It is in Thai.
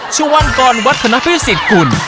ชวันกรวัฒนาพิสิทธิ์กุล